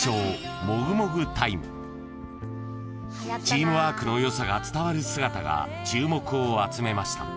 ［チームワークのよさが伝わる姿が注目を集めました］